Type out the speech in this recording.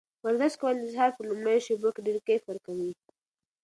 ورزش کول د سهار په لومړیو شېبو کې ډېر کیف ورکوي.